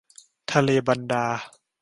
ทะเลบันดา